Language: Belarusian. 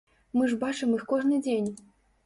Мы ж бачым іх кожны дзень.